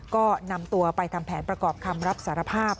ก็นำตัวไปทำแผนประกอบคำรับสารภาพ